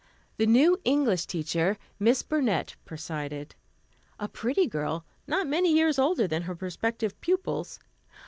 The new English teacher, Miss Burnett, presided a pretty girl, not many years older than her prospective pupils.